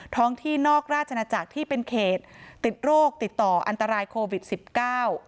ที่นอกราชนาจักรที่เป็นเขตติดโรคติดต่ออันตรายโควิดสิบเก้า